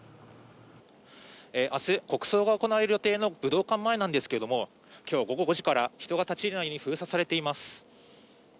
明日、国葬が行われる予定の武道館前なんですが今日午後５時から人が立ち入れないように封鎖されています。